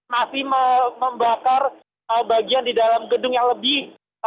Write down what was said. masih membakar bagian di dalam gedung yang lebih